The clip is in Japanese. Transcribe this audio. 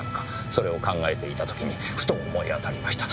それを考えていた時にふと思い当たりました。